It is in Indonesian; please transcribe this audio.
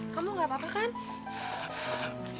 kamu gak apa apa kan